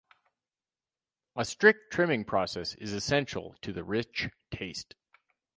A strict trimming process is essential to the rich taste.